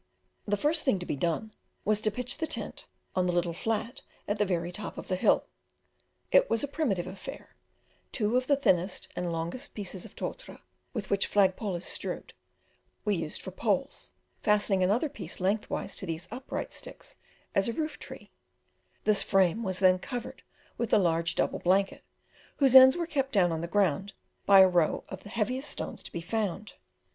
The first thing to be done was to pitch the tent on the little flat at the very top of the hill: it was a very primitive affair; two of the thinnest and longest pieces of totara, with which Flagpole is strewed, we used for poles, fastening another piece lengthwise to these upright sticks as a roof tree: this frame was then covered with the large double blanket, whose ends were kept down on the ground by a row of the heaviest stones to be found.